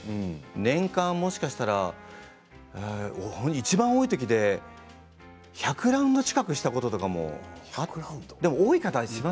年間もしかしたらいちばん多いときで１００ラウンド近くしたときもはい。